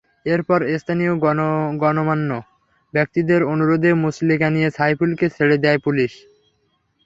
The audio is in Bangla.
এরপর স্থানীয় গণমান্য ব্যক্তিদের অনুরোধে মুচলেকা নিয়ে সাইফুলকে ছেড়ে দেয় পুলিশ।